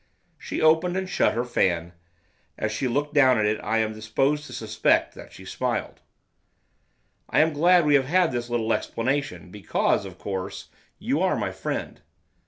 She opened and shut her fan, as she looked down at it I am disposed to suspect that she smiled. 'I am glad we have had this little explanation, because, of course, you are my friend.